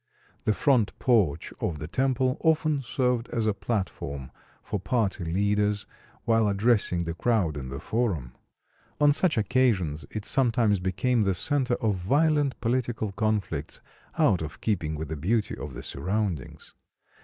The front porch of the temple often served as a platform for party leaders while addressing the crowd in the Forum. On such occasions it sometimes became the center of violent political conflicts out of keeping with the beauty of the surroundings.